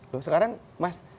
loh sekarang mas